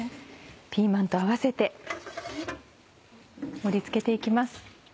ピーマンと合わせて盛り付けて行きます。